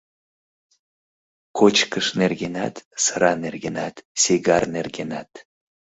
Кочкыш нергенат, сыра нергенат, сигар нергенат.